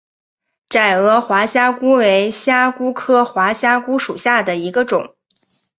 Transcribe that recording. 窄额滑虾蛄为虾蛄科滑虾蛄属下的一个种。